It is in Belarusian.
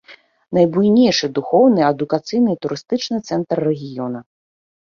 Найбуйнейшы духоўны, адукацыйны і турыстычны цэнтр рэгіёна.